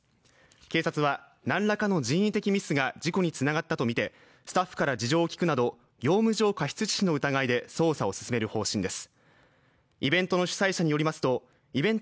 警察は何らかの人為的ミスが事故につながったとみてスタッフから事情を聴くなど業務上過失致死の疑いで捜査を進める方針です。